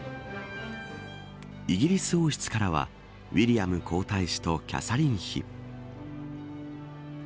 イギリス王室からはウィリアム皇太子とキャサリン妃。